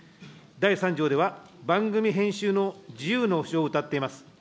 第３条では、番組編集の自由の保障をうたっています。